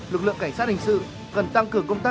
lực lượng cảnh sát hình sự cần tăng cường công tác